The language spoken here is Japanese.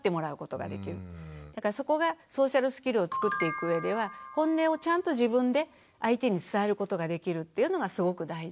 だからそこがソーシャルスキルを作っていく上ではホンネをちゃんと自分で相手に伝えることができるっていうのがすごく大事。